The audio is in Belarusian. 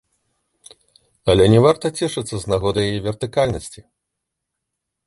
Але не варта цешыцца з нагоды яе вертыкальнасці.